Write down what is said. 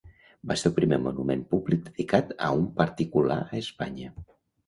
Va ser el primer monument públic dedicat a un particular a Espanya.